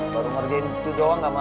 baru ngerjain itu doang enggak mau